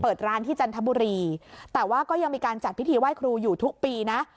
ร้านที่จันทบุรีแต่ว่าก็ยังมีการจัดพิธีไหว้ครูอยู่ทุกปีนะ